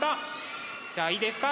じゃあいいですか。